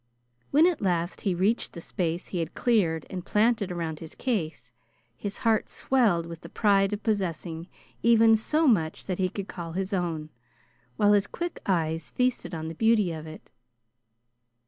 When at last he reached the space he had cleared and planted around his case, his heart swelled with the pride of possessing even so much that he could call his own, while his quick eyes feasted on the beauty of it.